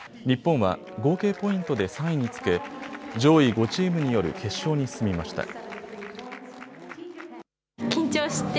日本は合計ポイントで３位につけ上位５チームによる決勝に進みました。